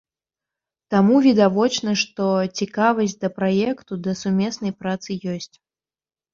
Таму відавочна, што цікавасць да праекту, да сумеснай працы ёсць.